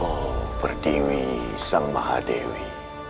oh pertiwi sang mahadewi